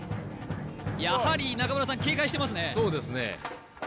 やはり中村さん警戒してますねそうですね